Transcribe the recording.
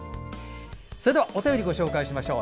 それではお便りご紹介しましょう。